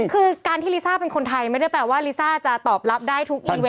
คือการที่ลิซ่าเป็นคนไทยไม่ได้แปลว่าลิซ่าจะตอบรับได้ทุกอีเวน